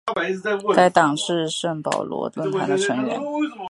该党是圣保罗论坛的成员。